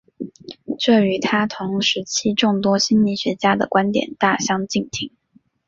这与他同时期众多心理学家的观点大相径庭。